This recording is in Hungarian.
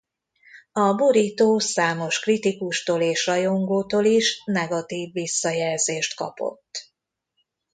A borító számos kritikustól és rajongótól is negatív visszajelzést kapott.